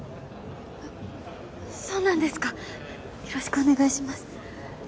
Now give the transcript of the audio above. あっそうなんですかよろしくお願いします